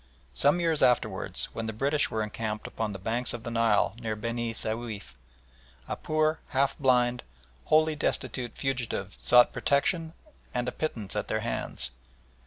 Some years afterwards, when the British were encamped upon the banks of the Nile near Beni Souif, a poor, half blind, wholly destitute fugitive sought protection and a pittance at their hands.